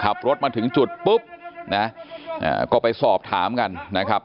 ขับรถมาถึงจุดปุ๊บนะก็ไปสอบถามกันนะครับ